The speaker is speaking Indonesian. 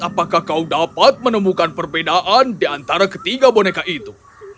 apakah kau dapat menemukan perbedaan di antara ketiga boneka itu